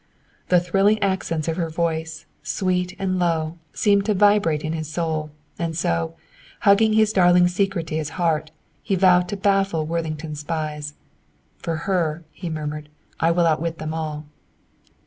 The thrilling accents of her voice, sweet and low, seemed to vibrate in his soul, and so, hugging his darling secret to his heart, he vowed to baffle Worthington's spies. "For her," he murmured, "I will outwit them all."